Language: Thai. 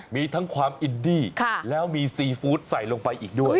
มีทั้งความอินดี้แล้วมีซีฟู้ดใส่ลงไปอีกด้วย